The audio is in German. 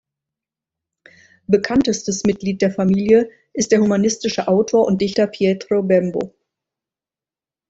Bekanntestes Mitglied der Familie ist der humanistische Autor und Dichter Pietro Bembo.